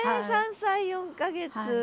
３歳４か月。